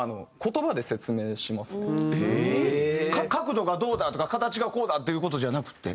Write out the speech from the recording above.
角度がどうだとか形がこうだっていう事じゃなくて？